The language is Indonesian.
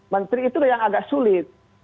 menteri itu yang agak sulit